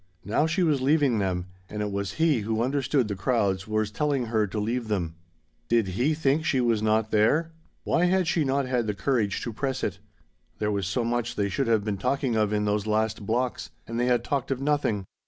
Now she was leaving them; and it was he who understood the crowds was telling her to leave them. Did he think she was not there? Why had she not had the courage to press it? There was so much they should have been talking of in those last blocks and they had talked of nothing.